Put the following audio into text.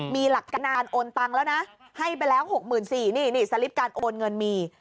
มีหลักการโอนตังค์แล้วนะให้ไปแล้ว๖๔๐๐นี่นี่สลิปการโอนเงินมี